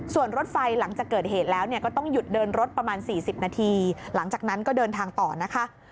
ส่วนรถไฟหลังจากเกิดเหตุแล้วก็ต้องหยุดเดินรถประมาณ๔๐นาทีหลังจากนั้นก็เดินทางต่อนะคะ